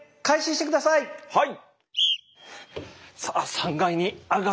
はい！